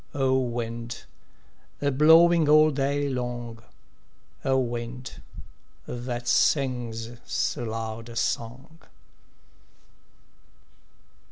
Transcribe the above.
O wind, a blowing all day long, O wind, that sings so loud a song!